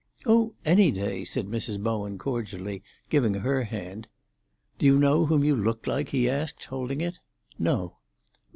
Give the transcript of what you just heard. "Oh, any day!" said Mrs. Bowen cordially, giving her hand. "Do you know whom you look like?" he asked, holding it. "No."